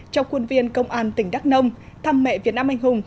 trong khuôn viên công an tỉnh đắk nông thăm mẹ việt nam anh hùng